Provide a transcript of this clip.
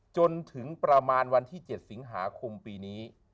จนถึงประมาณวันที่๗สิงหาคมปีนี้